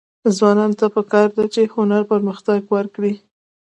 ځوانانو ته پکار ده چې، هنر پرمختګ ورکړي.